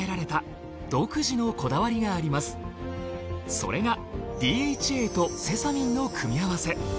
それがＤＨＡとセサミンの組み合わせ。